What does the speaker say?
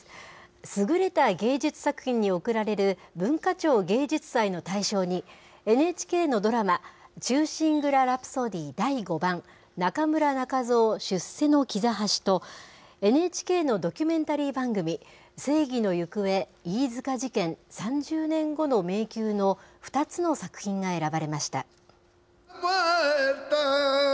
優れた芸術作品に贈られる文化庁芸術祭の対象に、ＮＨＫのドラマ、忠臣蔵狂詩曲Ｎｏ．５中村仲蔵出世階段と、ＮＨＫのドキュメンタリー番組、正義の行方飯塚事件３０年後の迷宮の２つの作品が選ばれました。